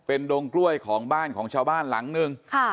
เป็นดงกล้วยของบ้านของชาวบ้านหลังนึง